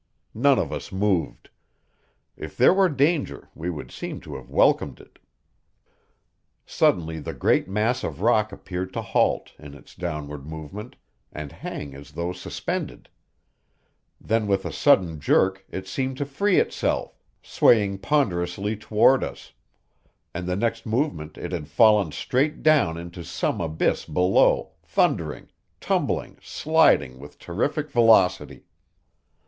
None of us moved if there were danger we would seem to have welcomed it. Suddenly the great mass of rock appeared to halt in its downward movement and hang as though suspended; then with a sudden jerk it seemed to free itself, swaying ponderously toward us; and the next moment it had fallen straight down into some abyss below, thundering, tumbling, sliding with terrific velocity.